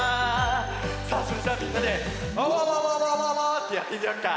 さあそれじゃあみんなで「あわわわわわわ」ってやってみようか。